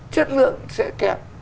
chất lượng sẽ kẹt